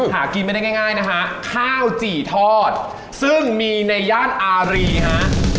หากินไม่ได้ง่ายนะฮะข้าวจี่ทอดซึ่งมีในย่านอารีฮะ